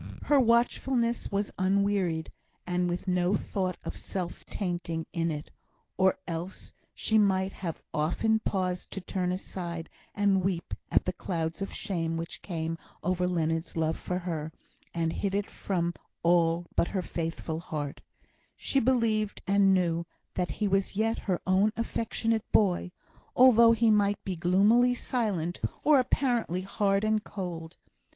Her watchfulness was unwearied, and with no thought of self tainting in it, or else she might have often paused to turn aside and weep at the clouds of shame which came over Leonard's love for her, and hid it from all but her faithful heart; she believed and knew that he was yet her own affectionate boy, although he might be gloomily silent, or apparently hard and cold.